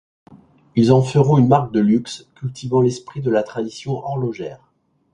Ils en feront une marque de luxe, cultivant l'esprit de la tradition horlogère.